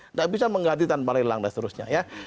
nggak bisa mengganti tanpa lelang dan seterusnya ya